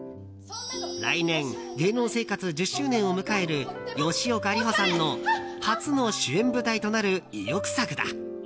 来年、芸能生活１０周年を迎える吉岡里帆さんの初の主演舞台となる意欲作だ。